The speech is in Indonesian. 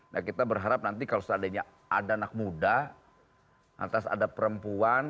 nah kita berharap nanti kalau seandainya ada anak muda nanti ada perempuan